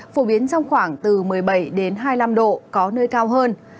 phổ biến trong khoảng từ một mươi bảy hai mươi năm độ có nơi cao hơn